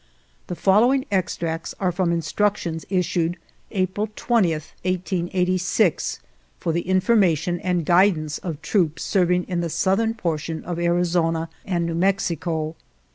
The following extracts are from instruc tions issued April 20th, 1886, for the in formation and guidance of troops serving in the southern portion of Arizona and New Mexico.